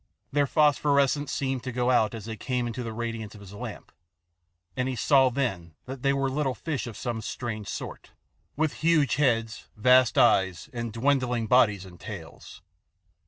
Their phosphorescence seemed to go out as they came into the radiance of his lamp, and he saw then that they were little fish of some strange sort, with huge heads, vast eyes, and dwindling bodies and tails.